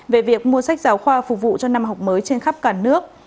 về việc mua sách giáo khoa phục vụ cho năm học mới trên khắp cả nước